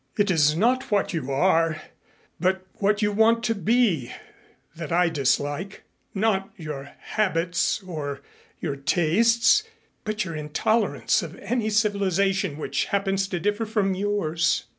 It is not what you are, but what you want to be, that I dislike; not your habits or your tastes, but your intolerance of any civilization which happens to differ from yours."